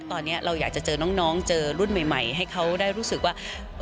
ตอนนี้เราอยากจะเจอน้องเจอรุ่นใหม่ให้เขาได้รู้สึกว่า